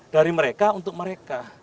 dari mereka untuk mereka